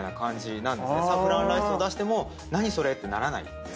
サフランライスを出しても「何それ？」ってならないんですね。